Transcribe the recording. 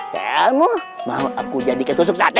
kamu mau aku jadi ketusuk sate